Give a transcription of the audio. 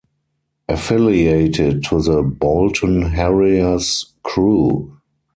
Affiliated to the Bolton Harriers crew.